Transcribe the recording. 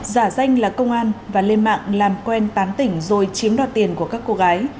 giả danh là công an và lên mạng làm quen tán tỉnh rồi chiếm đoạt tiền của các cô gái